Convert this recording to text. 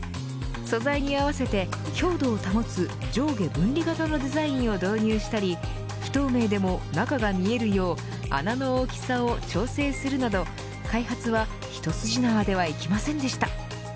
素材に合わせて強度を保つ上下分離型のデザインを導入したり不透明でも中が見えるよう穴の大きさを調整するなど開発は一筋縄ではいきませんでした。